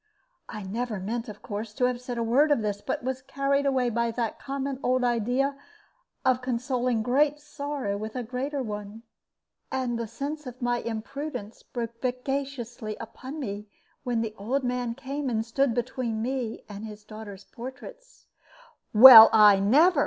I never meant, of course, to have said a word of this, but was carried away by that common old idea of consoling great sorrow with a greater one. And the sense of my imprudence broke vexatiously upon me when the old man came and stood between me and his daughter's portraits. "Well, I never!"